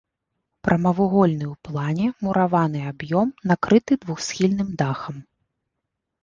Прамавугольны ў плане мураваны аб'ём накрыты двухсхільным дахам.